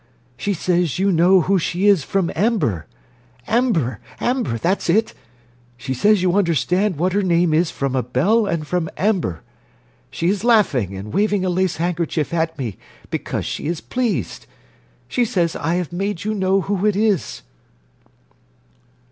She says you know who she is from amber. Amber! Amber! That's it! She says you understand what her name is from a bell and from amber. She is laughing and waving a lace handkerchief at me because she is pleased. She says I have made you know who it is."